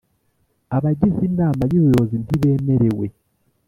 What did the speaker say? Abagize inama y ubuyobozi ntibemerewe